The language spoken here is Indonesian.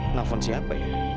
nafon siapa ya